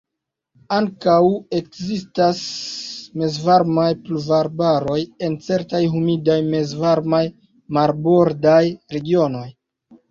Ankaŭ ekzistas mezvarmaj pluvarbaroj, en certaj humidaj mezvarmaj marbordaj regionoj.